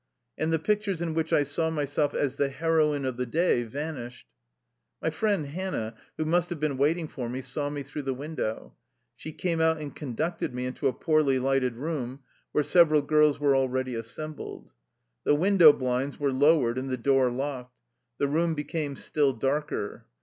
And the pictures in which I saw myself as the heroine of the day vanished. My friend Hannah, who must have been waiting for me, saw me through the window. She came out and conducted me into a poorly lighted room, where several girls were already as sembled. The window blinds were lowered and the door locked. The room became still darker.